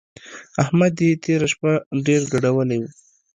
احمد يې تېره شپه ډېر ګډولی وو.